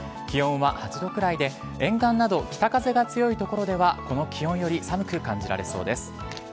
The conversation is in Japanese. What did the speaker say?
気温は８度くらいで沿岸など北風にが強いところではこの気温で寒く感じられそうです。